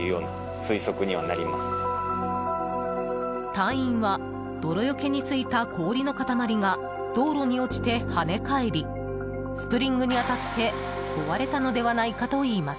隊員は泥よけに付いた氷の塊が道路に落ちて跳ね返りスプリングに当たって壊れたのではないかといいます。